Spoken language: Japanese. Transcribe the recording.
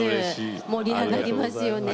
盛り上がりますよね。